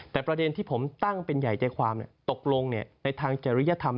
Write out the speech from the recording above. แต่ประเด็นที่ผมตั้งเป็นใหญ่ใจความตกลงในทางจริยธรรม